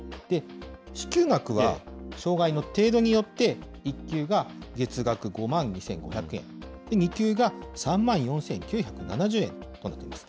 支給額は障害の程度によって、１級が月額５万２５００円、２級が３万４９７０円となっています。